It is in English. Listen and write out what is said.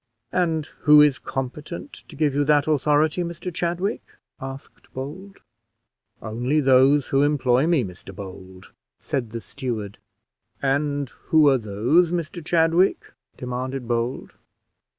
"And who is competent to give you that authority, Mr Chadwick?" asked Bold. "Only those who employ me, Mr Bold," said the steward. "And who are those, Mr Chadwick?" demanded Bold.